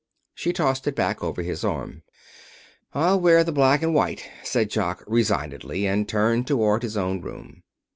She tossed it back over his arm. "I'll wear the black and white," said Jock resignedly, and turned toward his own room.